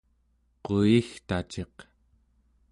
quyigtaciq